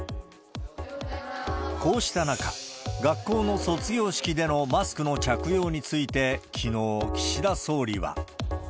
こうした中、学校の卒業式でのマスクの着用について、きのう、岸田総理は。